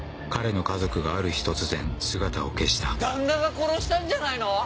彼の家族がある日突然姿を消した旦那が殺したんじゃないの？